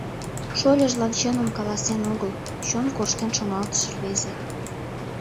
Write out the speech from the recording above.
«Шольыжлан чыным каласен огыл», — чон корштен шоналтыш рвезе.